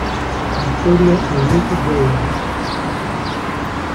Victoria y Mickie James.